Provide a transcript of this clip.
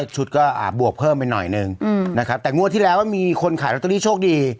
ชุดก็บวกเพิ่มไปหน่อยนึงนะครับแต่งวดที่แล้วมีคนขายลอตเตอรี่โชคดี